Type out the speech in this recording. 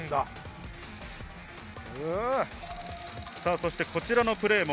そしてこちらのプレーも。